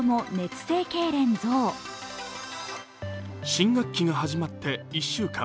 新学期が始まって１週間。